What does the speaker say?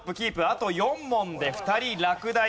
あと４問で２人落第。